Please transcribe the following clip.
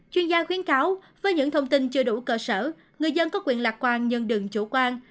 chuyên gia khuyến cáo với những thông tin chưa đủ cơ sở người dân có quyền lạc quan nhân đừng chủ quan